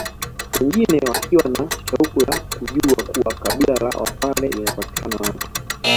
Wengine wakiwa na shauku ya kujua kuwa kabila la wapare linapatikana wapi